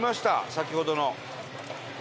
先ほどの。